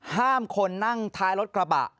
ห้ามคนนั่งท้ายรถกระบะ